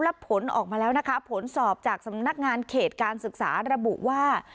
และผลออกมาแล้วนะคะผลสอบจากสำนักงานเขตการศึกษาระบุว่า